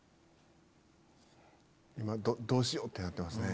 今どうしようってなってますね。